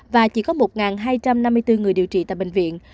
và chỉ có một hai trăm năm mươi bốn người điều trị tại bệnh viện